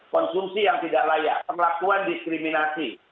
konsumsi yang tidak layak perlakuan diskriminasi